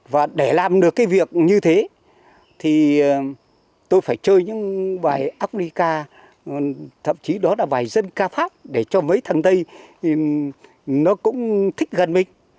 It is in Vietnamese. và để làm được cái việc như thế thì tôi phải chơi những bài áp lý ca thậm chí đó là bài dân ca pháp để cho mấy thằng tây nó cũng thích gần mình